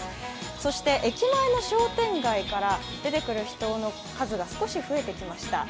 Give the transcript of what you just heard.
そして駅前の商店街から出てくる人の数が少し増えてきました。